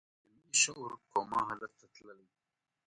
جمعي شعور کوما حالت ته تللی